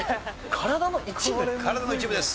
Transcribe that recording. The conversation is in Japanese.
体の一部です。